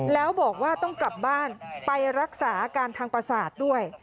แล้วบอกว่าต้องกลับบ้านไปรักษาอาการทางประสาทด้วย